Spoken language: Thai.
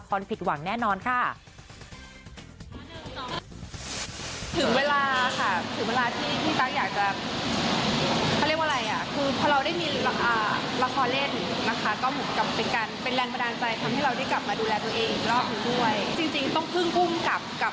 ก็หมุกกับเป็นการเป็นแรงประดานใจ